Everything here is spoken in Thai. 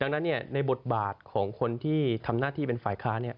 ดังนั้นในบทบาทของคนที่ทำหน้าที่เป็นฝ่ายค้า